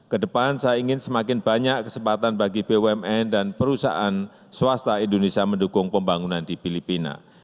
kedepan saya ingin semakin banyak kesempatan bagi bumn dan perusahaan swasta indonesia mendukung pembangunan di filipina